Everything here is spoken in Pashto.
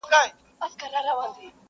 o رنگ تې مه گوره، خوند تې گوره.